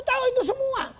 tahu itu semua